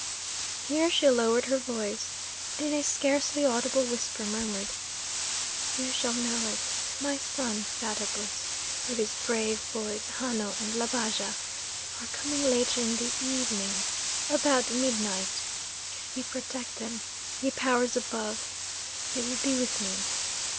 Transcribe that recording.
Here she lowered her voice, and in a scarcely audible whisper murmured: "You shall know it. My son Satabus, with his brave boys Hanno and Labaja, are coming later in the evening. About midnight if ye protect them, ye powers above they will be with me.